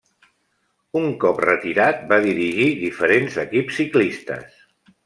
Un cop retirat va dirigir diferents equips ciclistes.